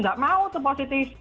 gak mau tuh positif